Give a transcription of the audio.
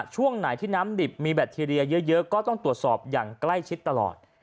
ช่วงไหนที่น้ำดิบมีแบคทีเรียเยอะก็ต้องตรวจสอบอย่างใกล้ชิดตลอด